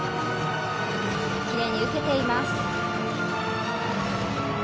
きれいに受けています。